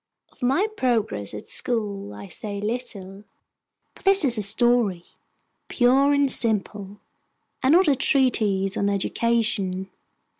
Of my progress at school I say little; for this is a story, pure and simple, and not a treatise on education.